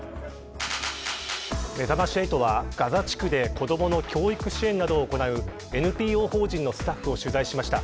めざまし８はガザ地区で子どもの教育支援などを行うＮＰＯ法人のスタッフを取材しました。